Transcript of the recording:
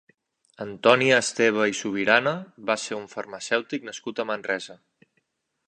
Antoni Esteve i Subirana va ser un farmacèutic nascut a Manresa.